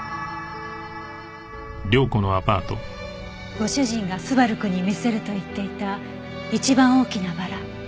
ご主人が昴くんに見せると言っていた一番大きなバラ。